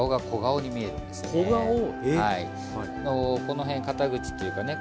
この辺肩口っていうかね